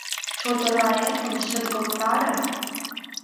Чодыраэтым шергылтара.